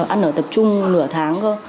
ăn ở tập trung nửa tháng thôi